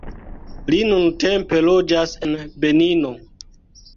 Li nuntempe loĝas en Benino.